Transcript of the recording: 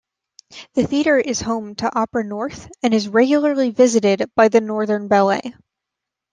The theatre is home to Opera North and is regularly visited by Northern Ballet.